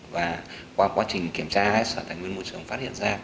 và qua quá trình kiểm tra sở tài nguyên môi trường phát hiện ra